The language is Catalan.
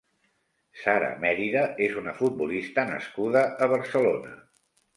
Sara Mérida és una futbolista nascuda a Barcelona.